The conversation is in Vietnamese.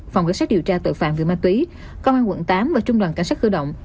phòng cảnh sát điều tra tội phạm về ma túy công an quận tám và trung đoàn cảnh sát cơ động